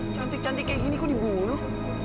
cantik cantik kayak gini kok diburu